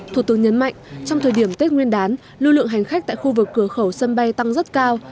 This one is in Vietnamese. thủ tướng nhấn mạnh trong thời điểm tết nguyên đán lưu lượng hành khách tại khu vực cửa khẩu sân bay tăng rất cao